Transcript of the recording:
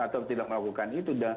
atau tidak melakukan itu